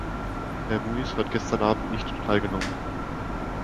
Herr Muis hat gestern Abend nicht teilgenommen.